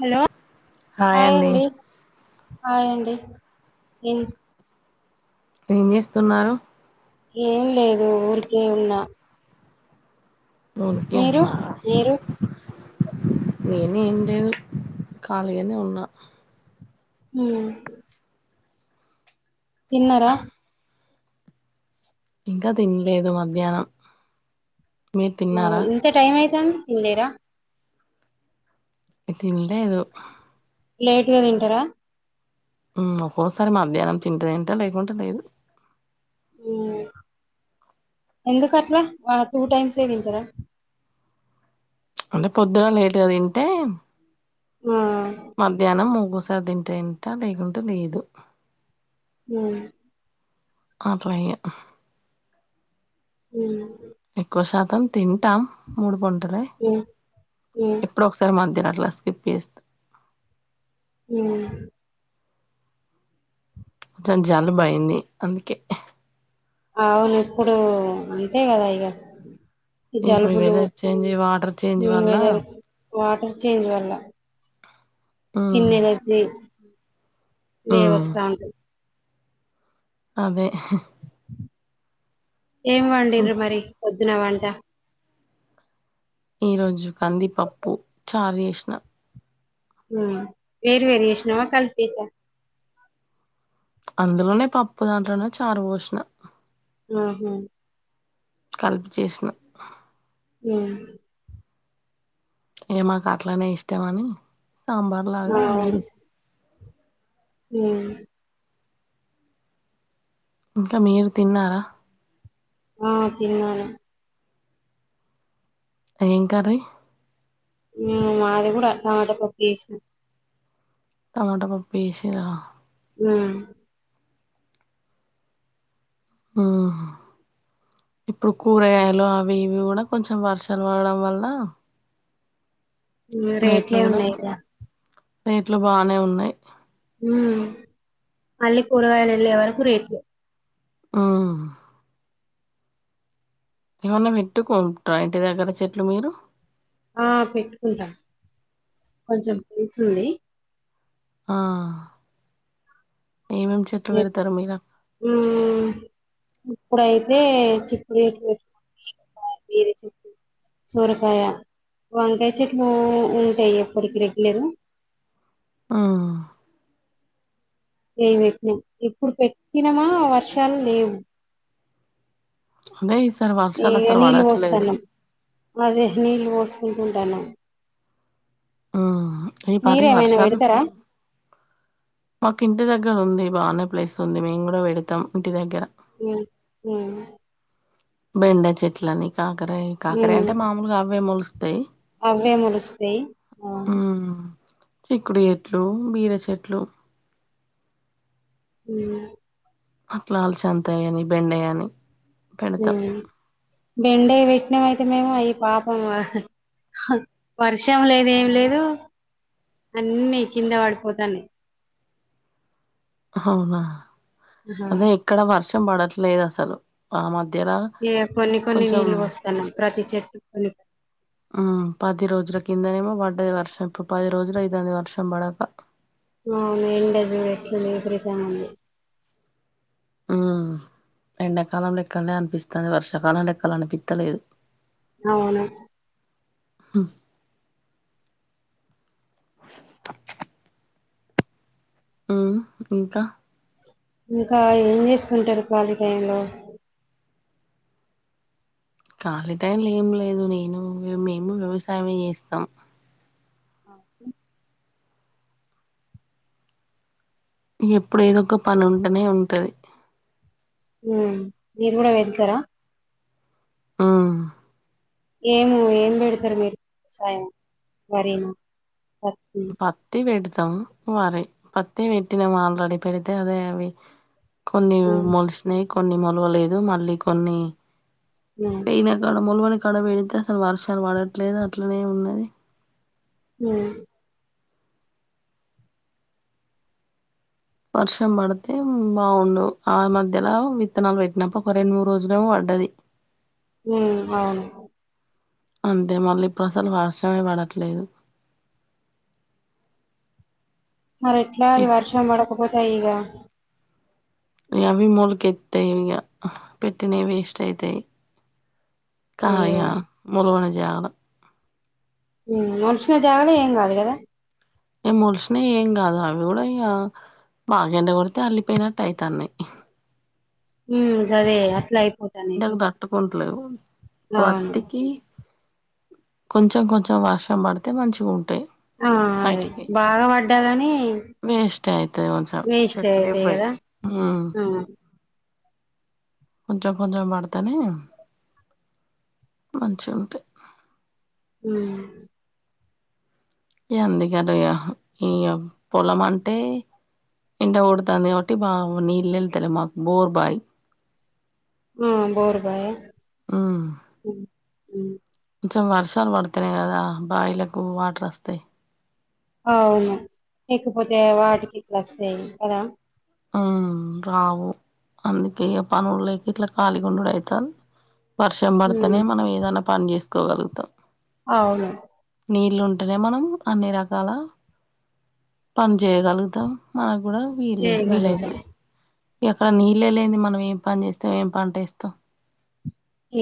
Hello hi అండి హయండి ఏం ఏం చేస్తున్నారు ఏం లేదు ఊరికే ఉన్న ఉకే మీరు ఉన్నారా మీరు నేనే ఏం లేదు ఖాళగానే ఉన్నా ఉ తిన్నార ఇంకా తినలేదు మధ్యాహ్నం మీరు ఆ తిన్నారా ఇంత టైమ్ అయితంది తిన్ లిరా తిన్లేదు లేట్గా తింటారా ఒక్కోసారి మాధ్యాహ్నం తింటె తింట లేకుంటే లేదు ఎందుకు అట్లా టూ టైమ్స్ ఏ తింటార అంటే పొద్దుగా లేట్గా తింటే ఆ మధ్యాహ్నం ముగ్గుస సదింటే తింట లేకుండా లేదు హ ఆప్ప అ ఎక్కువ శాతం తింటా మూడు పొంటలే ఆ ఎప్పుడు ఒకసారి మధ్యన అట్లా స్కిప్ చేస్ ఉ కొంచెం జలుబయింది అందుకే అవును ఇప్పుడు అంతే కదా ఇగ ఇప్పుడు ఈ జలుబులు వెదర్ చేంజ్ వాటర్ చేంజ్ వల్ల వెదర్ వాటర్ చేంజ్ వల్ల మ్మ్ స్కిన్ ఎలర్జీ వే మ్మ్ వస్తా అంటది అదే ఏం వండిరు మరి పొద్దున వంట ఈ రోజు కందిపప్పు చార్ చేసిన వేరు వేరు చేషినవ కలిపేసా అందులోనే పప్పు దాంట్లోనే చారు పోషీనా ఆహ కలిపి చేసిన య ఏ మాకు అట్లనే ఇష్టాం అని సాంబార్ లాగా అన్ని ఉ ఇంకా మీరు తిన్నారా ఆ తిన్నాను ఏం కర్రీ మాది కూడా టమాటా పప్పు చేసిన టమోటా పప్పు వేసిర ఆ ఆ ఇప్పుడు కూరగాయలు అవి ఇవి కూడా కొంచెం వర్షాలు వాడడం వల్ల ఉమ్, రేట్లు రేట్లే కూడా ఉన్నాయి ఇగ రేట్లు బానే ఉన్నాయి ఉ మళ్ళీ కూరగాయలు వెళ్ళే వరకు రేట్లు ఆ ఏమన్నా పెట్టుకుంటురా ఇంటి దగ్గర చెట్లు మీరు ఆ పెట్టుకుంటాం కొంచెం ప్లేస్ ఉంది ఆ ఏమేం చెట్లు పెడతారు మీరా ఆ ఇప్పుడైతే చిక్కుడు చెట్లు పెట్టు ఆ ఈరే చెప్పు. సొరకాయ వంకాయ చెట్లు ఉంటాయి ఎప్పటికి రెగ్యులరు. ఆ. ఏవిట్టి ఇప్పుడు పెట్టినమా వర్షాలు లేవు. అదే ఈసారి వర్షాలు అసలు వ. మదే నీళ్ళు పోసుకుంటు ఉంటాను. ఉహు ఈ పాటికీ మీరేమైనా వర్షాలు. పెడతారా మాకు ఇంటి దగ్గర ఉంది బానే ప్లేస్ ఉంది మేము కూడా పెడతాం ఇంటి దగ్గర. ఉమ్ ఉమ్ బెండ చెట్లని కాకరయి కాకరయ ఉమ్ అంటే మామూలుగా అవే మొలుస్తాయి. అవే మురుస్తాయి అవు. హ్మ్ చిక్కుడు చెట్లు బీర చెట్లు. అ. అట్లాలుచంతాయ అని బెండ అని. పెడతాం బెండై పెట్న అయితే మేము అయి పాపము. వర్షం లేదు ఏం లేదు అన్ని కింద పడిపోతన్నాయ్. అవునా ఆహా. అదే ఇక్కడ వర్షం పడట్లేదు అసలు ఆ మధ్యల. ఎ కొన్ని కొన్ని కొంచెం నీళ్ళు వస్తున్నాం ప్రతి చెట్టు కొన్ని కొ. పది రోజుల కిందనేమో పడ్డది వర్షం ఇప్పుడు పది రోజులు ఐదుది వర్షం పడక. మేం డజర్ పెట్టుకొని ఇంక ఇంక్రీజ్ గా ఉంది. ఉ ఎండాకాలం లెక్కలనే అనిపిస్తాంది వర్షాకాలం లెక్కలు అనిపిత్తలేదు. అవును. హ్మ్ ఉ ఇంకా. ఇంకా ఏం చేస్తుంటారు కళీ టయంలో. ఖాళీ టైలు ఏం లేదు నేను మేము వ్యవసాయమే చేస్తాం. ఆ. ఎప్పుడు ఏదో ఒక పని ఉంటేనే ఉంటది. ఉ మీరు కూడా వెళ్తార. ఆ. ఏమో ఏం పెడతారు మీరు సాయం మరిను పత్. పత్తి పెడతాం వరి పత్తి పెట్టినాము ఆల్రెడీ పెడితే అదే అవి. కొన్ని ఉమ్ మొలసినాయి కొన్ని మలువలేదు మళ్ళీ కొన్ని. మ. ఈయన కాడ ములువని కడ పెడితే అసలు వర్షాలు పడట్లేదు అట్లనే ఉన్నది. హ. వర్షం పడితే బాగుడు ఆ మధ్యలో విత్తనాలు పెట్టినప్పు ఒక రెండు మూడు రోజులేమో పడ్డది. ఉ అవును అంతే మళ్ళీ ఇప్పుడు అసలు వర్షమే పడట్లేదు. మరి ఎట్లా అది ఇగ వర్షం పడకపోతే అయ్యి ఇగ. అవి మొలకెత్తివిఇగ పెట్టినయి వేస్ట్ అయితాయి కాయ అయ్యో మూలవని జాడ. మనుషుల జాగలో ఏం కాదు కదా. ఏ మలసిన ఏం కాదు అవి కూడా ఇ బాగా ఎండ కొడితే అల్లిపోయినట్టు అయితన్నయి. ఉ సరే అట్లా అయిపో. ఎండకు తట్కుంటలేవు అవును పత్తికి. కొంచెం కొంచెం వర్షం పడితే మంచిగా ఉంటయి. ఆ అదే బాగ పడ్డా గని వేస్ట్ అయితది కొంచం చెట్లి పై, కదా ఉమ్ ఆ కొంచెం కొంచెం పడితేనే మంచిగా ఉంటయి. ఉమ్ ఇయ అందుకనే ఇగ ఈ పొలం అంటే ఎండ కొడుతాంది కాబట్టి బావు నీళ్ళు వెళ్తలే మాకు బోర్ బాయ్. ఉమ్ బోర్బాయ? ఉమ్, ఉమ్ ఉ కొంచెం వర్షాలు పడుతున్నయి కదా బాయిలకు వాటర్ అస్తయి. అవును లేకపోతే వాటికి ఎట్ల అస్తయి కదా. ఆ రావు, అందుకే పనులు లేక ఇట్ల కళీగుండుడు ఐతాంది. వర్షం ఉమ్ పడితేనే మనం ఏదన్నా పని చేసుకోగలుగుతాం. అవును నీళ్లు ఉంటేనే మనం అన్ని రకాల పని చేయగలుగుతం. మనకు గుడ వీల్లేదు. చేయగలుగుతాం ఇక్కడ నీళ్లేలేంది మనం ఏం పని చేస్తాం, ఏం పంట ఏస్తాం?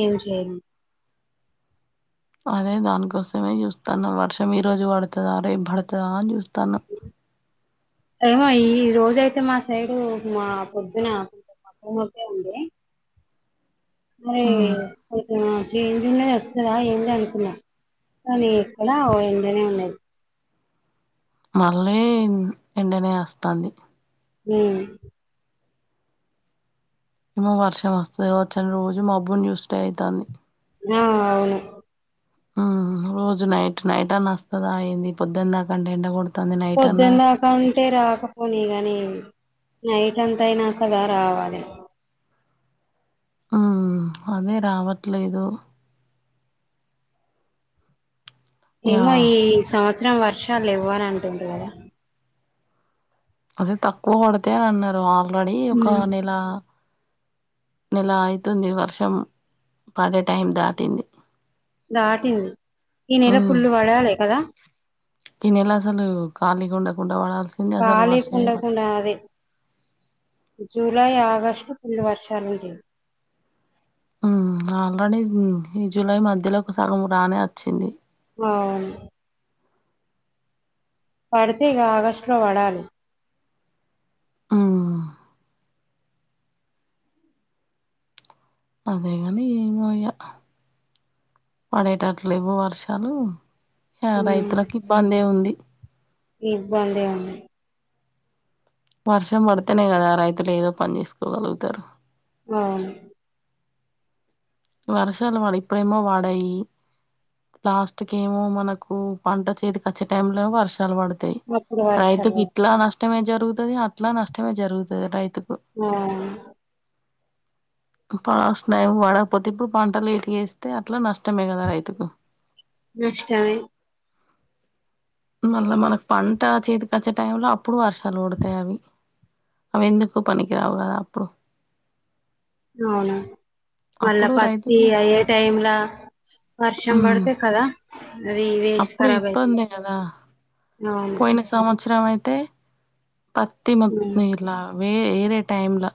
ఏం చేయను అదే దానికోసమే చూస్తాన్న, వర్షం ఈ రోజు పడుతదా, రేపు పడుతదా అని చూస్తాన్న. ఏమో ఈ రోజ అయితే మా సైడు, మా పొద్దున మబ్బు మబ్బే ఉంది. మరి? ఉమ్ ఆ చీ తిన్నయ్ వస్తున్నయా ఏంది అనుకున్నా, కానీ ఎక్కడ ఓ ఎండనే ఉన్నది. మళ్ళీ ఎండనే వస్తాంది. ఉమ్ ఏమో వర్షం వస్తది కావచ్చు అని రోజు మబ్బుని చూసిడే ఐతాంది. ఆ అవును ఆ రోజు నైట్ నైట్ అన్న వస్తదా ఏంది, పొద్దున్న దాకంటే ఎండ కొడు పొద్దునే అక్క ఉంటే రాకపోనీ గనీ, నైట్ అంతా అయినాకలా రావాలే. ఆ అదే రావట్లేదు. ఇగ ఏమో ఈ సంవత్సరం వర్షాలు ఇవ్వనంటుర్రు కదా అవి తక్కువ కొడితై అని అన్నరు ఆల్రెడీ ఒక ఉమ్ నెల నెలా ఐతుంది వర్షం పడే టైం దాటింది. దాటింది ఈ నెల ఉమ్ ఫుల్లు పడాలే కదా. ఈ నెల అసలు కాలీ ఉండకుండా వాడాల్సి కాలి కుండకుండ అది జూలై, ఆగస్టు ఫుల్లు వర్షాలు ఉంటయ్ ఉమ్ ఆల్రెడీ ఈ జూలై మధ్యలో ఒక సగం రానే అచ్చింది. అవును పడితే ఇగ ఆగస్టులో పడాలి. ఉమ్ అదేగని ఏమో ఇగ పడేటట్లేవు వర్షాలు. ఆ రైతులకు ఇబ్బందే ఉంది. ఇబ్బందే ఉంది వర్షం పడితేనే కదా రైతులు ఏదో పని చేసుకోగలుగుతరు. ఆవును వరషాల పాడ ఇప్పుడయమ వాడయి లాస్ట్ కి ఏమో మనకు పంట చేతికచ్చే టైంలోవర్షాలు పడుతయి అప్పుడు రైతుకి వర్షాలు ఇట్లా నష్టమే జరుగుతుది అట్లా నష్టమే జరుగుతుది రైతుకు ఆ [unintelligible] పస్తున్నాయి వాడ పోతిప్పుడు పంటలు ఎటు వేస్తే అట్లా నష్టమే కదా రైతుకు నష్టమే మళ్ళా మనకు పంట చేతికి వచ్చే టైంలో అప్పుడు వర్షాలు పడతాయి అవి అవి ఎందుకు పనికి రావు కాదా అప్పుడు అవును మళ్ళా అప్పుడు పత్తి రైతుకు అయే టైంలా వర్షం మ్మ్ పడితే కదా అది వేస్ట్ అప్పుడు ఖరాబ్ అయితది ఇబ్బందే కదా అవును పోయిన సంవత్సరం అయితే పత్తి మొ ఉమ్ ఇట్లా వే వేరే టైమ్లా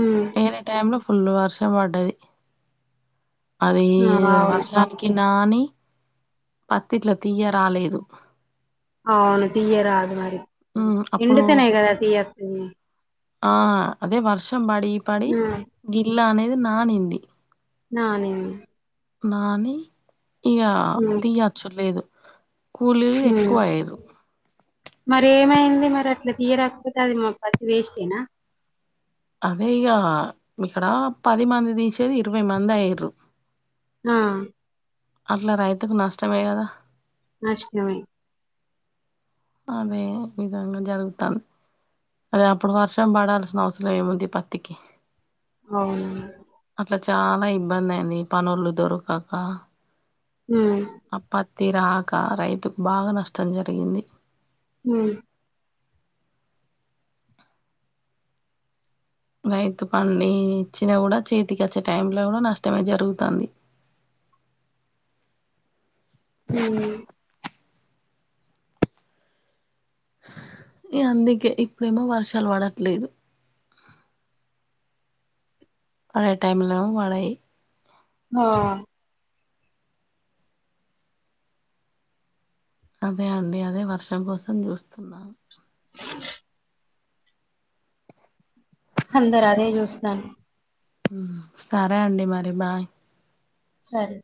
ఉమ్ వేర టైంలో ఫుల్ వర్షం పడ్డది అది ఆ, అవును వర్షా కి నాని పత్తిట్ల తీయ రాలేదు అవును తీయరాదు మరి మ్మ్ ఎండీ అప్పుడు తేనె కదా తీయత్ ఆ అదే వర్షం పడి పడి గిల్లా అనేది నానింది నానంది నాని ఇగ ఉమ్ తీయచ్చు లేదు కూలీలు ఉమ్ ఎక్కువ అయ్యరు మరి ఏమైంది మరి అట్లా తీయరాకపోతే అది మా పత్తి వేస్టేనా అదే ఇగ ఇక్కడ పది మంది దిసేది ఇరవై మంది అయ్యరు ఆ అట్లా రైతుకు నష్టమే కదా నష్టమే అదే విధంగా జరుగుతుంది అదే అప్పుడు వర్షం పడాల్సిన అవసరం ఏముంది పత్తికి అవును అట్లా చాలా ఇబ్బంది అయింది పనులు దొరకాక ఉం ఆ పత్తి రాక రైతుకు బాగా నష్టం జరిగింది ఉం రైతు పండి ఇచ్చినా కూడా చేతికి వచ్చే టైంలో కూడా నష్టమే జరుగుతుంది ఉం ఈగ అందుకే ఇప్పుడేమో వర్షాలు పడట్లేదు పడే టైం లో పడయి హ అదే అండి అదే వర్షం కోసం చూస్తున్నాం అందరు అదే చూస్తారు సరే అండి మరి బాయ్ సరే